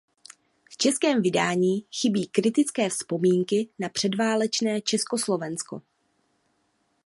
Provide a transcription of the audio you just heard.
V českém vydání chybí kritické vzpomínky na předválečné Československo.